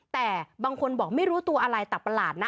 แต่บางคนบอกไม่รู้ตัวอะไรแต่ประหลาดนะ